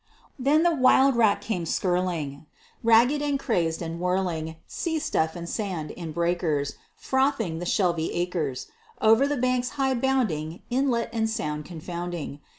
Then the wild rack came skirling, Ragged and crazed, and whirling Sea stuff and sand in breakers, Frothing the shelvy acres: Over the banks high bounding, Inlet and sound confounding.